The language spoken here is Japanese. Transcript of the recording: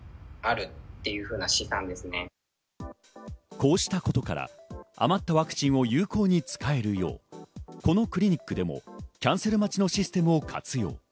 こうしたことから余ったワクチンを有効に使えるよう、このクリニックでもキャンセル待ちのシステムを活用。